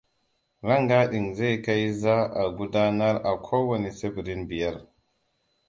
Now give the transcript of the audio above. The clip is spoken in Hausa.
Rangadin zai kai za a gudanar a kowanne tsibirin biyar.